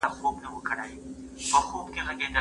تخنیکي پوهه به هېواد ته راشي.